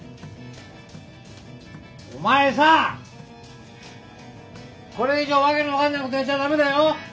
お前さこれ以上訳の分かんないことやっちゃダメだよ？